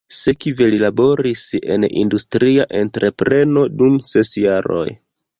Sekve li laboris en industria entrepreno dum ses jaroj.